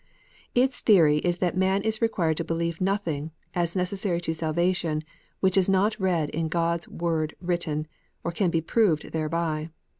Its theory is that man is required to believe nothing, as necessary to salvation, which is not read in God s Word written, or can be proved thereby.